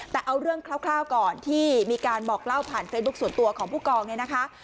แต่เอาเรื่องคร่าวก่อนที่มีการบอกเล่าผ่านเฟซบุ๊คส่วนตัวของผู้กองเนี่ยนะคะ